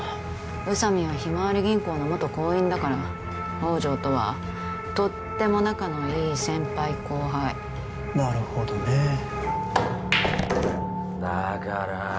宇佐美はひまわり銀行の元行員だから宝条とはとっても仲のいい先輩後輩なるほどねえだからー